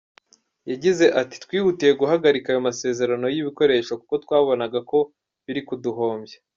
Yagize ati “Twihutiye guhagarika ayo masezerano y’ibikoresho kuko twabonaga ko biri kuduhombya.